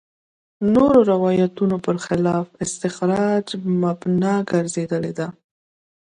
نورو روایتونو برخلاف استخراج مبنا ګرځېدلي.